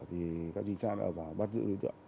các trinh sát đã bắt giữ đối tượng